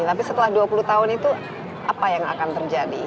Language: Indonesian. tapi setelah dua puluh tahun itu apa yang akan terjadi